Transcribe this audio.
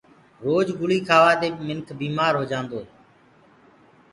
روج گُݪي کهآوآ دي منک بيمآر هوجآندو هي۔